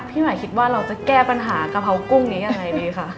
พี่หมายคิดว่าเราจะแก้ปัญหากะเพรากุ้งนี้ยังไงดีคะ